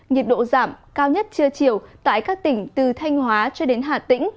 nhiệt độ giảm cao nhất trưa chiều tại các tỉnh từ thanh hóa cho đến hà tĩnh